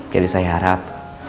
jadi saya harap